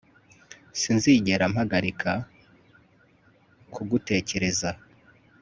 sinzigera mpagarika kugutekereza